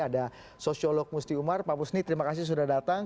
ada sosiolog musti umar pak musni terima kasih sudah datang